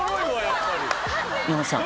宮本さん